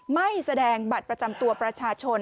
ไม่แสดงบัตรประจำตัวประชาชน